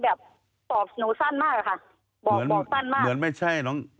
แบบตอบหนูสั้นมากอะค่ะบอกหนูสั้นมากเหมือนไม่ใช่น้อง